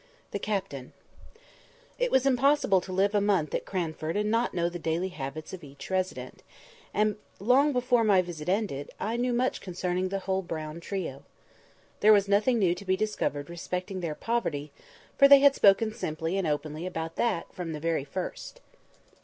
THE CAPTAIN IT was impossible to live a month at Cranford and not know the daily habits of each resident; and long before my visit was ended I knew much concerning the whole Brown trio. There was nothing new to be discovered respecting their poverty; for they had spoken simply and openly about that from the very first.